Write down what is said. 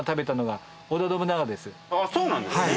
あそうなんですね。